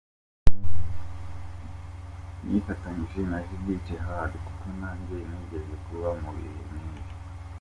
Nifatanyije na Judith Heard kuko nanjye nigeze kuba mu bihe nk’ibi.